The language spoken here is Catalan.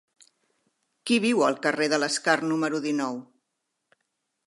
Qui viu al carrer de l'Escar número dinou?